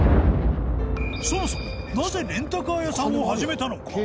そもそもなぜレンタカー屋さんを始めたのか？